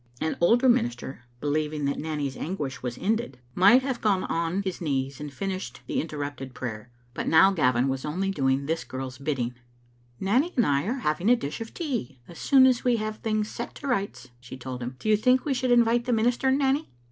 An older minister, believing that Nanny's anguish was ended, might have gone on bis knees and finished Digitized by VjOOQ IC IM Vbe Xfttle Afntotet. the interrupted prayer, but now Gavin was only doing this girl's bidding. Nanny and I are to have a dish of tea, as soon as we have set things to rights, *' she told him. '' Do you think we should invite the minister, Nanny?"